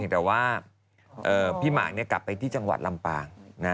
แต่ว่าพี่หมากกลับไปที่จังหวัดลำปาง